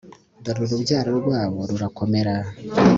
dore urubyaro rwabo rurakomera